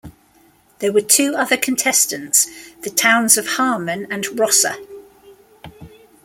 There were two other contestants: the towns of Harmon and Rosser.